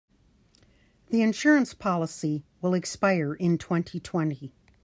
The insurance policy will expire in twenty-twenty.